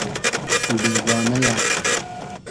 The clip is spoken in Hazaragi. بېگانۂ یۂ